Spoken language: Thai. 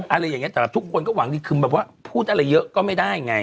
อะไรอย่างนี้แต่ทุกคนก็หวังดีคือแบบว่าพูดอะไรเยอะก็ไม่ได้ไง